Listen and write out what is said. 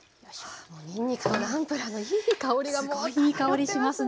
あにんにくとナンプラーのいい香りがもう漂ってますね。